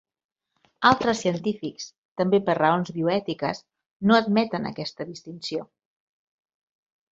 Altres científics, també per raons bioètiques, no admeten aquesta distinció.